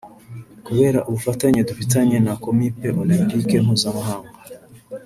Kubera ubufatanye dufitanye na Komipe Olempike Mpuzamahanga